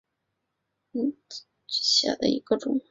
鳞轴短肠蕨为蹄盖蕨科短肠蕨属下的一个种。